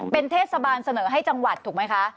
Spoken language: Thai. เป็นเทศบาลเสนอให้จังหวัดถูกไหมคะ